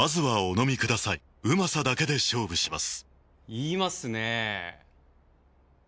言いますねぇ。